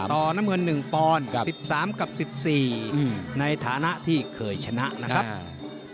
น้ำเงิน๑ปอนด์๑๓กับ๑๔ในฐานะที่เคยชนะนะครับ